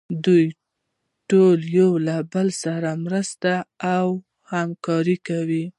دوی ټول یو له بل سره مرسته او همکاري کوي.